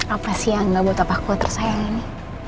apa sih yang gak buat apa aku tersayang ini